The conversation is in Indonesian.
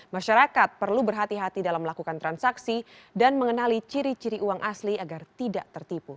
masyarakat perlu berhati hati dalam melakukan transaksi dan mengenali ciri ciri uang asli agar tidak tertipu